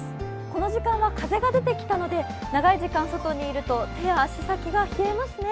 この時間は風が出てきたので、長い時間外にいると手や足先が冷えますね。